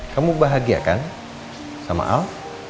kamu bahagia kan sama al